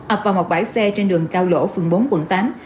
ập vào một bãi xe trên đường cao lỗ phường bốn quận tám